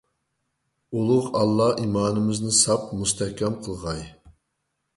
ئۇلۇغ ئاللاھ ئىمانىمىزنى ساپ، مۇستەھكەم قىلغاي!